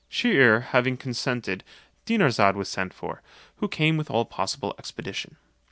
Shier ear having consented, Dinarzade was sent for, who came with all possible expedition.